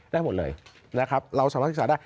ได้หมดเลยนะครับเราสามารถศึกษาได้